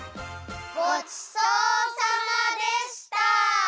ごちそうさまでした！